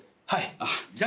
はい。